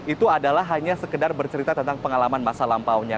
itu adalah hanya sekedar bercerita tentang pengalaman masa lampaunya